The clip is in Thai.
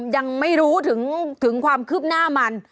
ยังไม่รู้ถึงความคืบหน้ามัน